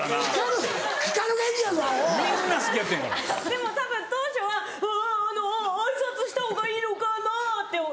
でもたぶん当初は「あぁ挨拶した方がいいのかな」って言ってたと思う。